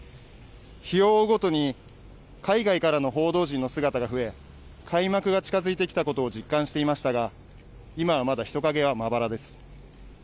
日を追うごとに、海外からの報道陣の姿が増え、開幕が近づいてきたことを実感していましたが、今はまだ人影はまばらです。